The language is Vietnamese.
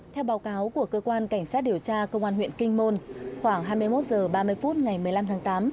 theo báo cáo của cơ quan cảnh sát điều tra công an huyện kinh môn khoảng hai mươi một h ba mươi phút ngày một mươi năm tháng tám